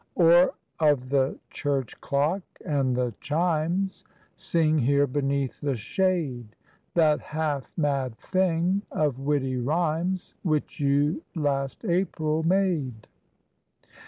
Or of the church clock and the chimes Sing here beneath the shade That half mad thing of witty rhymes Which you last April made.